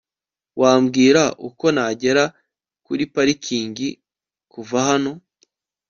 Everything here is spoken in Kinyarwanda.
wambwira uko nagera kuri parikingi kuva hano